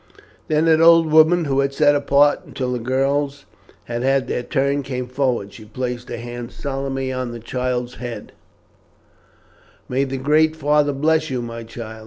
Then an old woman, who had sat apart until the girls had had their turn, came forward. She placed her hands solemnly on the child's head: "May the great Father bless you, my child.